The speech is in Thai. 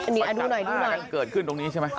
นี่ดูหน่อยมีกันเกิดขึ้นตรงนี้ใช่ไหม